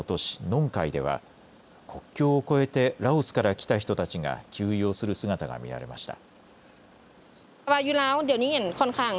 ノンカイでは国境を越えてラオスから来た人たちが給油をする姿が見られました。